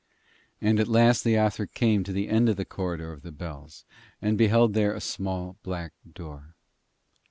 And at last Leothric came to the end of the Corridor of the Bells, and beheld there a small black door.